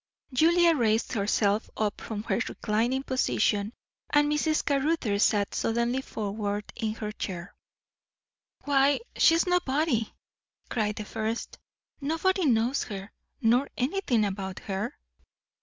Julia raised herself up from her reclining position, and Mrs. Caruthers sat suddenly forward in her chair. "Why, she is nobody!" cried the first. "Nobody knows her, nor anything about her."